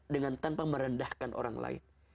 dengan tanpa merendahkan orang lain